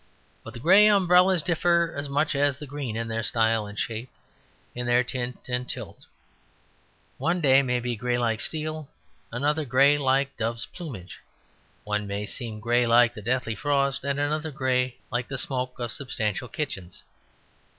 But the grey umbrellas differ as much as the green in their style and shape, in their tint and tilt. One day may be grey like steel, and another grey like dove's plumage. One may seem grey like the deathly frost, and another grey like the smoke of substantial kitchens.